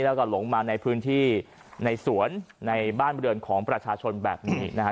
แล้วก็หลงมาในพื้นที่ในสวนในบ้านบริเวณของประชาชนแบบนี้นะฮะ